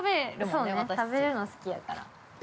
◆そうね、食べるの好きやから。